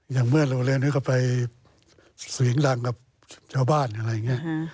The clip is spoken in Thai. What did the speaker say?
อย่างเมื่อเราเริ่มให้กลับไปเสียงดังกับเจ้าบ้านอะไรอย่างนี้